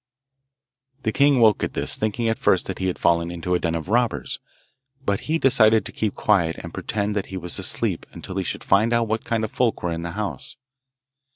The king woke at this, thinking at first that he had fallen into a den of robbers, but he decided to keep quiet and pretend that he was asleep until he should find out what kind of folk were in the house.